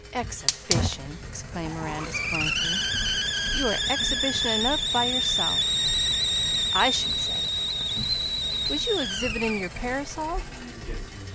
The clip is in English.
"Exhibition!" exclaimed Miranda scornfully; "you are exhibition enough by yourself, I should say. Was you exhibitin' your parasol?"